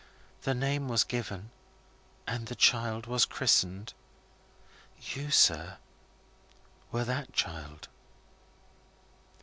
The name was given, and the child was christened. You, sir, were that child."